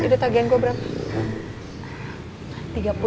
ini udah tagiain gua berapa